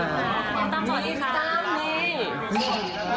จ้ามเหรอ